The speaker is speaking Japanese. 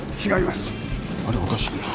あれおかしいな？